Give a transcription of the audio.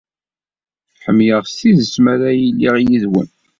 Ḥemmleɣ s tidet mi ara iliɣ yid-wen.